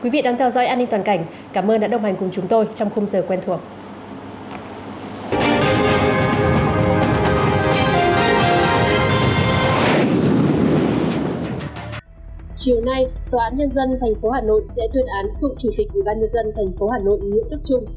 quý vị đang theo dõi an ninh toàn cảnh cảm ơn đã đồng hành cùng chúng tôi trong khung giờ quen thuộc